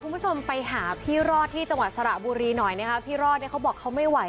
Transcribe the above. คุณผู้ชมไปหาพี่รอดที่จังหวัดสระบุรีหน่อยนะคะพี่รอดเนี่ยเขาบอกเขาไม่ไหว